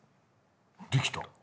できた！